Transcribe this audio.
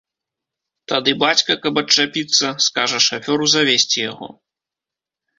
Тады бацька, каб адчапіцца, скажа шафёру завезці яго.